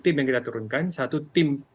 tim yang kita turunkan satu tim